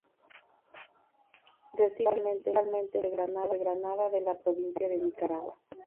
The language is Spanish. Residió habitualmente en la ciudad de Granada de la provincia de Nicaragua.